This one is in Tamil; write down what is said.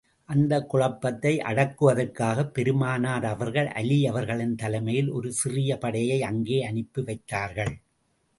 அந்தக் குழப்பத்தை அடக்குவதற்காகப் பெருமானார் அவர்கள், அலி அவர்களின் தலைமையில் ஒரு சிறிய படையை அங்கே அனுப்பி வைத்தார்கள்.